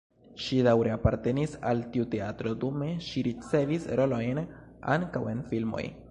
Ŝi daŭre apartenis al tiu teatro, dume ŝi ricevis rolojn ankaŭ en filmoj.